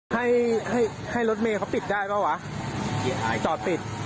พวกนั้นมีอาวุธแน่นอน